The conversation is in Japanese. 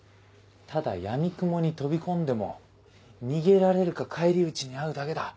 ただやみくもに飛び込んでも逃げられるか返り討ちに遭うだけだ。